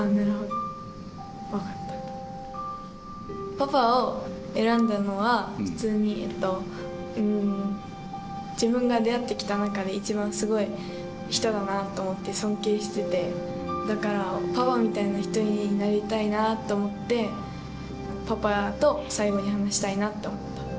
パパを選んだのは普通にえっと自分が出会ってきた中で一番すごい人だなと思って尊敬しててだからパパみたいな人になりたいなあと思ってパパと最後に話したいなと思ったの。